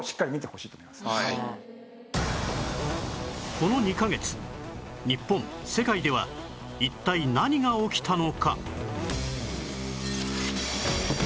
この２カ月日本世界では一体何が起きたのか？